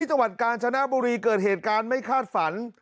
จังหวัดกาญชนะบุรีเกิดเหตุการณ์ไม่คาดฝัน